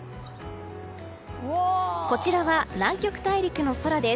こちらは南極大陸の空です。